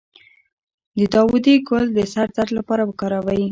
د داودي ګل د سر درد لپاره وکاروئ